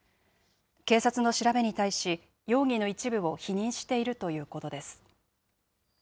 警察の調べに対し、容疑の一部を否認しているということです。